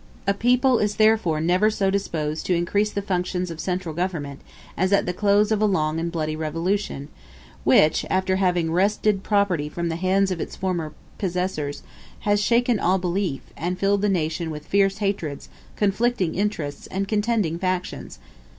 A people is therefore never so disposed to increase the functions of central government as at the close of a long and bloody revolution, which, after having wrested property from the hands of its former possessors, has shaken all belief, and filled the nation with fierce hatreds, conflicting interests, and contending factions.